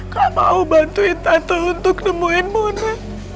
kamu bantuin tante untuk nemuin mona